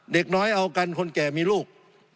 เด็กน้อยเอากันคนแก่มีลูก